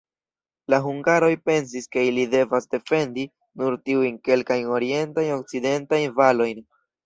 La hungaroj pensis, ke ili devas defendi nur tiujn kelkajn orientajn-okcidentajn valojn.